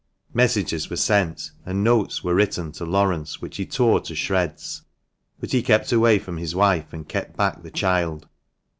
Messages were sent, and notes were written to Laurence, which he tore to shreds ; but he kept away from his wife, and kept back the child.